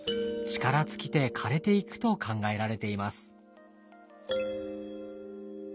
力尽きて枯れていくと考えられています。